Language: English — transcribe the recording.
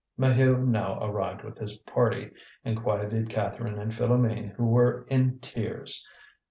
Maheu now arrived with his party, and quieted Catherine and Philoméne who were in tears.